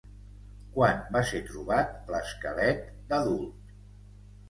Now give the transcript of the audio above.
Quan va ser trobat l'esquelet d'adult?